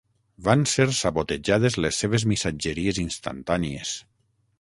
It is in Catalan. Van ser sabotejades les seves missatgeries instantànies.